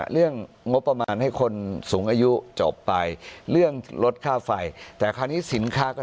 เรื่องงบประมาณให้คนสูงอายุจบไป